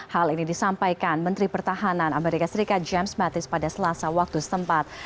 hal ini disampaikan menteri pertahanan amerika serikat james mattis pada selasa waktu setempat